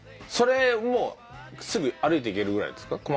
それもうすぐ歩いて行けるぐらいですか？